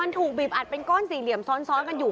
ถูกบีบอัดเป็นก้อนสี่เหลี่ยมซ้อนกันอยู่